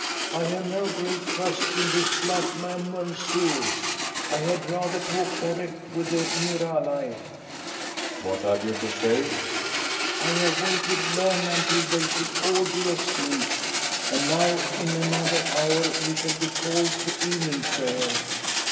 I have no great trust in this black man, Mansoor. I had rather talk direct with the Miralai." "What have you to say?" "I have waited long, until they should all be asleep, and now in another hour we shall be called to evening prayer.